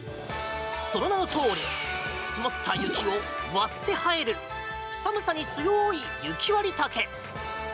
その名のとおり積もった雪を割って生える寒さに強い雪割茸。